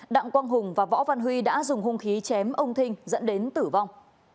đặng quang hùng và võ văn huy đã dùng hung khí chém ông thinh dẫn đến tử vong